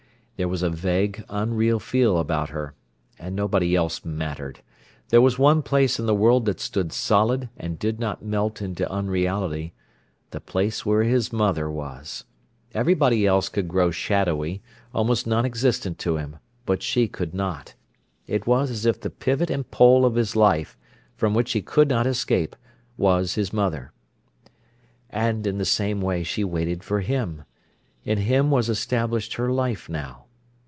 There was a vague, unreal feel about her. And nobody else mattered. There was one place in the world that stood solid and did not melt into unreality: the place where his mother was. Everybody else could grow shadowy, almost non existent to him, but she could not. It was as if the pivot and pole of his life, from which he could not escape, was his mother. And in the same way she waited for him. In him was established her life now.